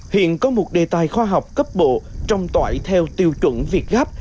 hiện có một đề tài khoa học cấp bộ trong tỏi theo tiêu chuẩn việt gáp